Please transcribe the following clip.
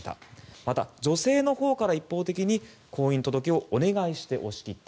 また、女性のほうから一方的に婚姻届をお願いして押し切った。